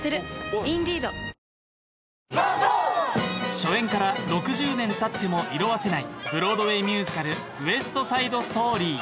初演から６０年たっても色あせないブロードウェイ・ミュージカル「ウエスト・サイド・ストーリー」